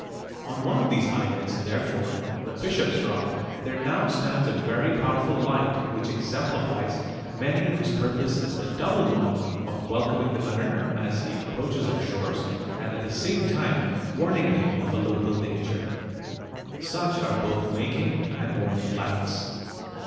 On one of the islets, therefore, the Bishop's Rock, there now stands a very powerful light which exemplifies many whose purpose is the double one of welcoming the mariner as he approaches our shores and at the same time warning him of a local danger. Such are both making and warning lights.